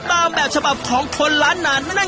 ตามแบบฉบับของคนล้านนาน